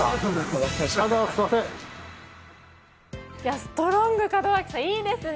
ストロング門脇、いいですね。